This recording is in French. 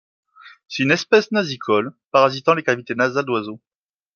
C'est une espèce nasicole, parasitant les cavités nasales d'oiseaux.